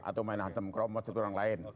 atau main main kromos seperti orang lain